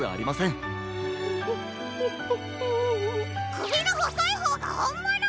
くびのほそいほうがほんもの！？